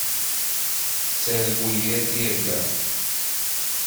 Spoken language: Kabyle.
Tettargu yir tirga.